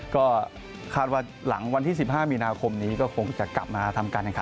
ก็คาดว่าหลังวันที่๑๕มีนาคมนี้ก็คงจะกลับมาทำการแข่งขัน